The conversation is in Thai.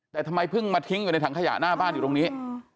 แต่ทำไมเพิ่งมาทิ้งอยู่ในถังขยะหน้าบ้านอยู่ตรงนี้